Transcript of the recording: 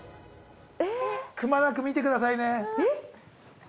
くまなく見てくださいねえっ？